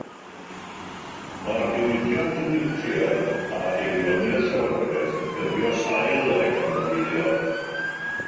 Mae'r diwydiant niwclear a haelioni'r llywodraeth yn ffurfio sail yr economi leol.